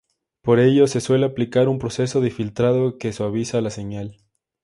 Por ello, se suele aplicar un proceso de filtrado que suaviza la señal.